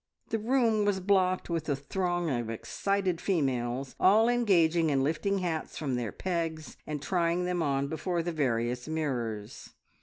The room was blocked with a throng of excited females all engaged in lifting hats from their pegs and trying them on before the various mirrors.